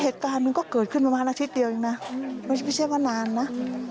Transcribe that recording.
เหตุการณ์มันก็เกิดขึ้นประมาณอาทิตย์เดียวเองนะไม่ใช่ว่านานนะ